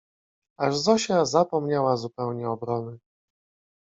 Aż Zosia zapomniała zupełnie obrony